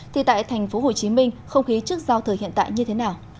thì tại tp hcm không khí trước giao thời hiện tại như thế nào